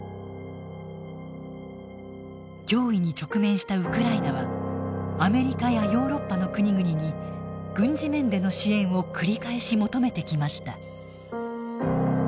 脅威に直面したウクライナはアメリカやヨーロッパの国々に軍事面での支援を繰り返し求めてきました。